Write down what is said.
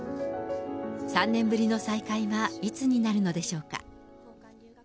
３年ぶりの再会はいつになるのでしょうか。